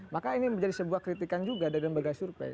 maka ini menjadi sebuah kritikan juga dari lembaga survei